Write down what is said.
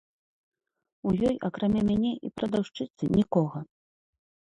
У ёй, акрамя мяне і прадаўшчыцы, нікога.